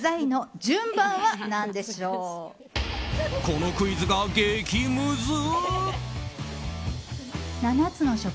このクイズが激ムズ！